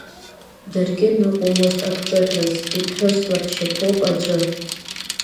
Даргьы ныҟәомызт агәҿыӷьраз, иԥҳәыс длаҳәшьаԥоуп аӡәы…